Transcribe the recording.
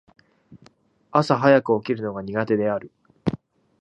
朝早く起きるのが苦手である。